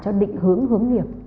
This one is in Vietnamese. cho định hướng hướng nghiệp